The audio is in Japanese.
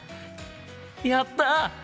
やった！